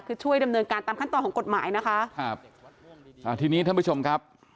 คือช่วยดำเนินการตามขั้นตอนของกฎหมายนะคะครับอ่าทีนี้ท่านผู้ชมครับ